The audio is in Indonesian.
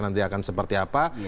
nanti akan seperti apa